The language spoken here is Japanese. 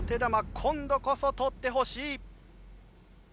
今度こそ捕ってほしい。